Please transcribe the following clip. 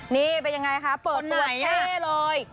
นี่เป็นยังไงคะเปิดตัวเท่เลย